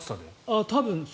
多分。